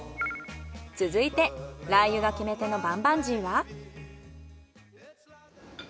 続いてラー油が決め手のバンバンジーは？